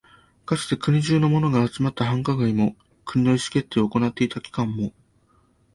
かつて国中のものが集まった繁華街も、国の意思決定を行っていた機関も、